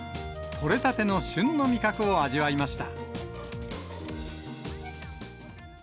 取れたての旬の味覚を味わいました。